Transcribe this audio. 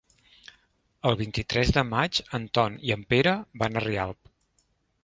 El vint-i-tres de maig en Ton i en Pere van a Rialp.